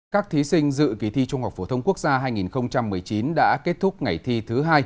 các thí sinh dự kỳ thi trung học phổ thông quốc gia hai nghìn một mươi chín đã kết thúc ngày thi thứ hai